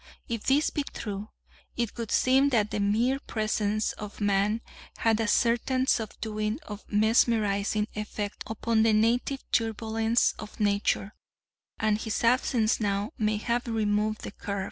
If this be true, it would seem that the mere presence of man had a certain subduing or mesmerising effect upon the native turbulence of Nature, and his absence now may have removed the curb.